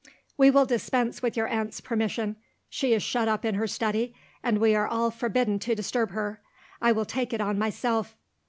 "We will dispense with your aunt's permission. She is shut up in her study and we are all forbidden to disturb her. I will take it on myself."